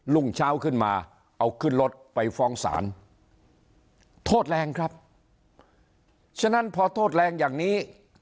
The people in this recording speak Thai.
รุ่งเช้าขึ้นมาเอาขึ้นรถไปฟ้องศาลโทษแรงครับฉะนั้นพอโทษแรงอย่างนี้